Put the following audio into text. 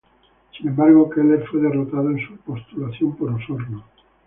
Sin embargo, Keller fue derrotado en su postulación por Osorno.